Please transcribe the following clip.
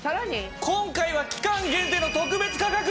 今回は期間限定の特別価格！